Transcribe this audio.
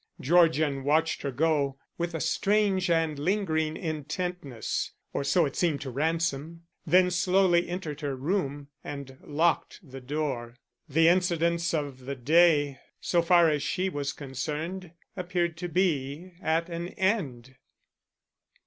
Georgian watched her go with a strange and lingering intentness, or so it seemed to Ransom; then slowly entered her room and locked the door. The incidents of the day, so far as she was concerned, appeared to be at an end.